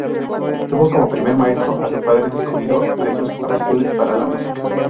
Tuvo como primer maestro a su padre, descubridor de sus aptitudes para la música.